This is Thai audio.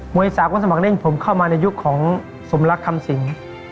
มวยสาวความสมัครได้ยิ่งผมเข้ามาในยุคของสมรักษ์ทำสิง